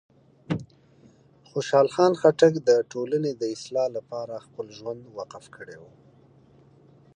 خوشحال خان خټک د ټولنې د اصلاح لپاره خپل ژوند وقف کړی و.